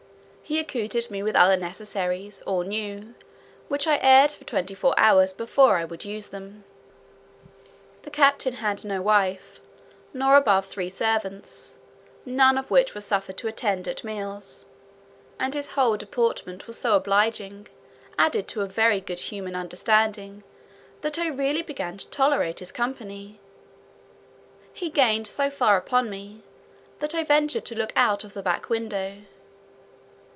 He accoutred me with other necessaries, all new, which I aired for twenty four hours before I would use them. The captain had no wife, nor above three servants, none of which were suffered to attend at meals; and his whole deportment was so obliging, added to very good human understanding, that I really began to tolerate his company. He gained so far upon me, that I ventured to look out of the back window.